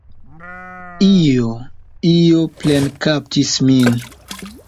Io, io plenkaptis min.